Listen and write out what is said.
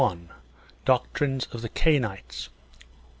— Doctrines of the Cainites, 1.